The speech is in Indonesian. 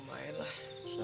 kamu tidak bisa tidur